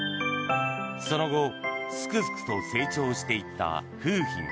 その後すくすくと成長していった楓浜。